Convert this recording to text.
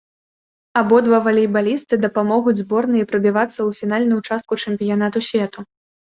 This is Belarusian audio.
Абодва валейбалісты дапамогуць зборнай прабівацца ў фінальную частку чэмпіянату свету.